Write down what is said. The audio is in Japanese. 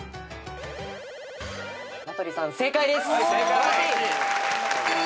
名取さん正解です！